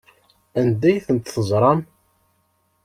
Anda ay tent-teẓram?